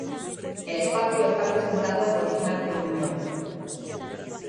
El espacio está presentado por Ignacio Muñoz.